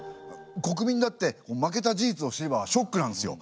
国民だって負けた事実を知ればショックなんですよ。